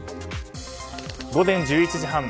午前１１時半。